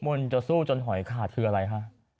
มนต์จะสู้จนหอยขาดคืออะไรฮะ